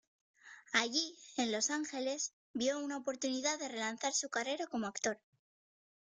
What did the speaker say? Allí, en Los Ángeles vio una oportunidad de relanzar su carrera como actor.